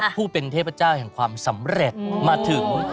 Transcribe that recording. ผู้เป็นเทพเจ้าแห่งความสำเร็จมาถึง